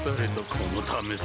このためさ